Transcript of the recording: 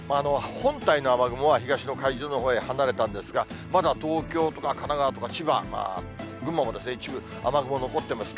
本体の雨雲は東の海上のほうへ離れたんですが、まだ東京とか神奈川とか千葉、群馬も、一部雨雲残ってます。